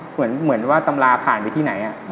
เหมือนว่าตำราผ่านไปที่ไหน